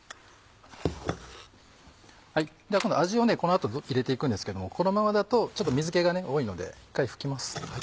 では味をこの後入れていくんですけどもこのままだとちょっと水気が多いので１回拭きます。